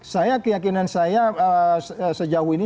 saya keyakinan saya sejauh ini